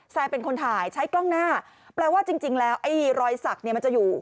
เป็นคนถ่ายใช้กล้องหน้าแปลว่าจริงแล้วไอ้รอยสักเนี่ยมันจะอยู่